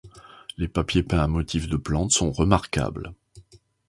Les papiers peints à motifs de plantes sont remarquables.